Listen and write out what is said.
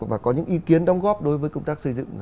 và có những ý kiến đóng góp đối với công tác xây dựng